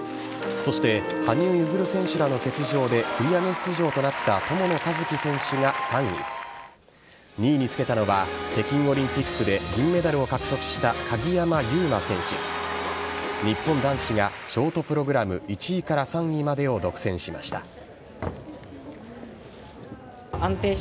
そして、羽生結弦選手らの欠場で繰り上げ出場となった友野一希選手が３位２位につけたのは北京オリンピックで銀メダルを獲得した鍵山優真選手日本男子がショートプログラム１位から３位までを独占しました。